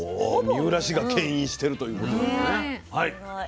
三浦市がけん引してるということなのね。